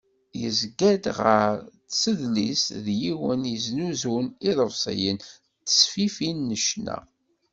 Yezga-d gar tsedlist d yiwen i yeznuzun iḍebsiyen d ttesfifin n ccna.